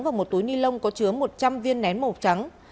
và một túi ni lông có chứa một trăm linh viên nén màu trắng